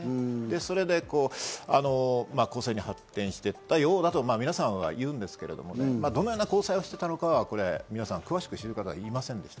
それで交際に発展していったようだと皆さんは言うんですけれども、どのような交際をしていたのか、皆さん、詳しくは知らないのか言いませんでした。